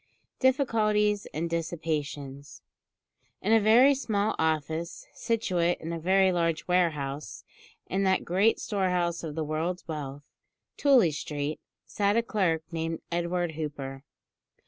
DIFFICULTIES AND DISSIPATIONS. In a very small office, situate in a very large warehouse, in that great storehouse of the world's wealth, Tooley Street, sat a clerk named Edward Hooper.